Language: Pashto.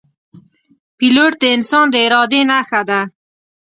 پیلوټ د انسان د ارادې نښه ده.